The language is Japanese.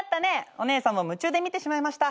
お姉さんも夢中で見てしまいました。